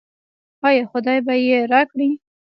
آیا خدای به یې راکړي؟